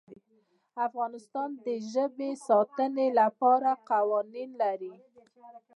افغانستان د ژبې د ساتنې لپاره قوانین لري.